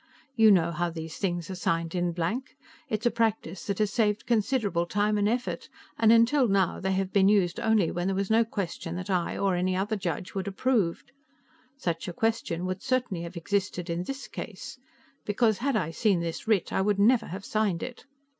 You know how these things are signed in blank. It's a practice that has saved considerable time and effort, and until now they have only been used when there was no question that I or any other judge would approve. Such a question should certainly have existed in this case, because had I seen this writ I would never have signed it."